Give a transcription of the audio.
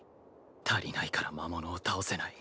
足りないから魔物を倒せない。